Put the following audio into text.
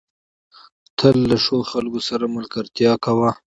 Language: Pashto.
تل له ښو خلکو سره ملګرتيا کوه.